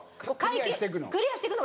クリアしてくの？